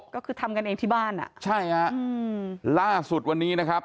ก็คือทำกันเองที่บ้านอ่ะใช่ฮะอืมล่าสุดวันนี้นะครับ